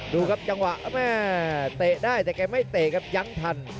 ดูครับจังหวะแม่เตะได้แต่แกไม่เตะครับยั้งทัน